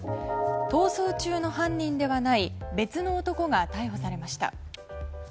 逃走中の犯人ではない別の男が逮捕されました。